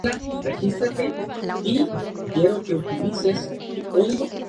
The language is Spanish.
La pequeña fue bautizada en la Capilla de la misericordia de Mónaco.